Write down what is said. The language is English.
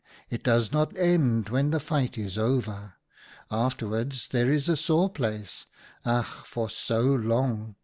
It does not end when the fight is over. Afterwards there is a sore place — ach, for so long!